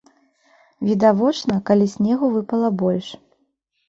Відавочна, калі снегу выпала больш.